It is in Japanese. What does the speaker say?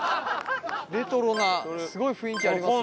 レトロなすごい雰囲気ありますね。